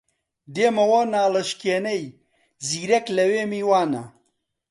دێمەوە ناڵەشکێنەی زیرەک لەوێ میوانە